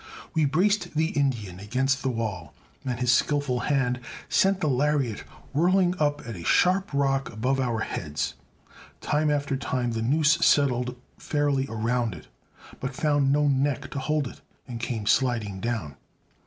We braced the Indian against the wall, and his skillful hand sent the lariat whirling up at a sharp rock above our heads. Time after time the noose settled fairly around it, but found no neck to hold it, and came sliding down.